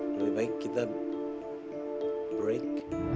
lebih baik kita break